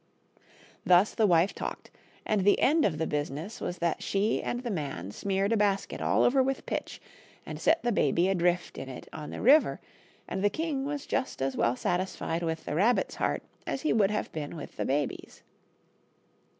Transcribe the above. Thus the wife talked, and the end of the business was that she and the man smeared a basket all over with pitch and set the baby adrift in it on the river, and the king was just as well satisfied with the rabbit's heart as he would have been with the baby's.